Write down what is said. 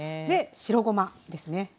で白ごまですね。